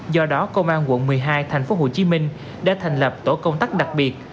do đó công an quận một mươi hai tp hcm đã thành lập tổ công tác đặc biệt